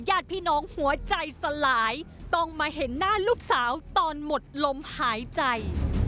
ญาติพี่น้องหัวใจสลายต้องมาเห็นหน้าลูกสาวตอนหมดลมหายใจ